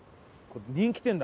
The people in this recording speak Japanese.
人気店だ。